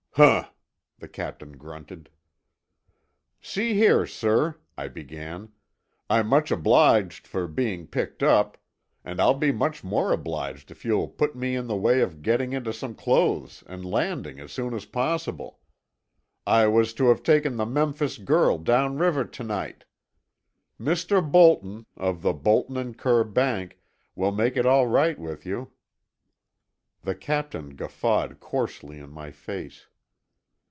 "Huh!" the captain grunted. "See here, sir," I began. "I'm much obliged for being picked up. And I'll be much more obliged if you'll put me in the way of getting into some clothes and landing as soon as possible. I was to have taken the Memphis Girl down river to night. Mr. Bolton, of the Bolton and Kerr bank will make it all right with you." The captain guffawed coarsely in my face.